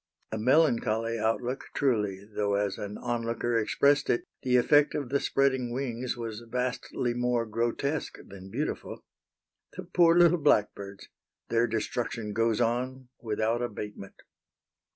A melancholy outlook truly, though as an onlooker expressed it, the effect of the spreading wings was vastly more grotesque than beautiful. The poor little blackbirds! Their destruction goes on without abatement.